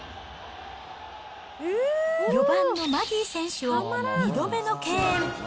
４番のマギー選手を２度目の敬遠。